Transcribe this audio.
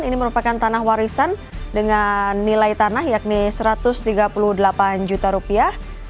ini merupakan tanah warisan dengan nilai tanah yakni satu ratus tiga puluh delapan juta rupiah